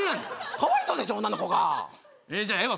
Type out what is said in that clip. かわいそうでしょ女の子がじゃあええわ